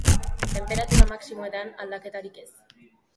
Tenperatura maximoetan, aldaketarik ez.